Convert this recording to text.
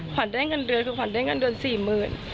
ขวัญได้เงินเดือนคือขวัญได้เงินเดือน๔๐๐๐บาท